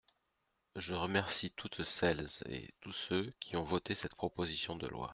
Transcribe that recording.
Je remercie toutes celles et tous ceux qui ont voté cette proposition de loi.